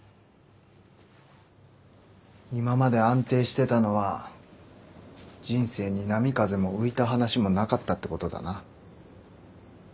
今まで安定してたのは人生に波風も浮いた話もなかったってことだな。